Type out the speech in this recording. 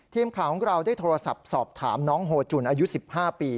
ทีมข่าวของเราได้โทรศัพท์สอบถามน้องโฮจุนอายุ๑๕ปี